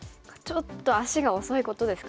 ちょっと足が遅いことですかね。